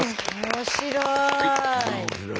面白い。